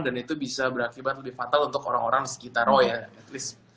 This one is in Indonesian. dan itu bisa berakibat lebih fatal untuk orang orang sekitar oh ya at least